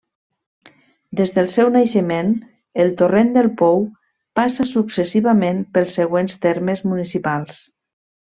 Des del seu naixement, el Torrent del Pou passa successivament pels següents termes municipals.